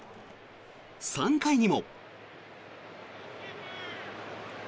３回にも。